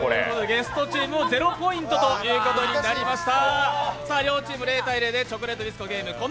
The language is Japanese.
ゲストチームも０ポイントとなりました。